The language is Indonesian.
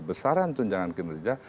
besarannya tunjangan kinerja